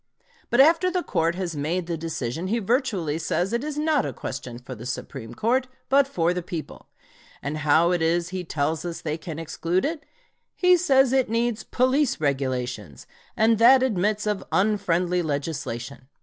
But after the court has made the decision he virtually says it is not a question for the Supreme Court, but for the people. And how is it he tells us they can exclude it? He said it needs "police regulations," and that admits of "unfriendly legislation."